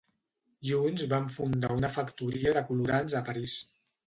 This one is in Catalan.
Junts van fundar una factoria de colorants a París.